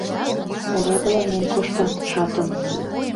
Орадыланен коштат, шатын!